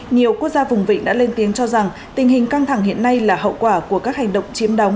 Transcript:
nhiều quốc gia vùng vịnh đã lên tiếng cho rằng tình hình căng thẳng hiện nay là hậu quả của các hành động chiếm đóng